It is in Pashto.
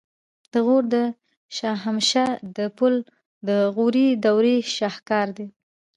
د غور د شاهمشه د پل د غوري دورې شاهکار دی